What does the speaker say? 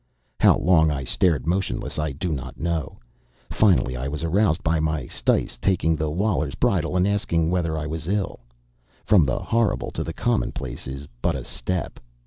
How long I stared motionless I do not know. Finally, I was aroused by my syce taking the Waler's bridle and asking whether I was ill. From the horrible to the commonplace is but a step.